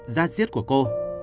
gia diết của cô